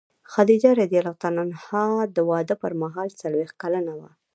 خدیجه رض د واده پر مهال څلوېښت کلنه وه.